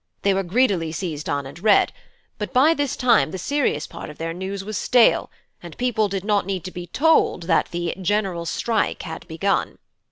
They were greedily seized on and read; but by this time the serious part of their news was stale, and people did not need to be told that the GENERAL STRIKE had begun.